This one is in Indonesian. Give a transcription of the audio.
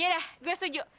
yaudah gue setuju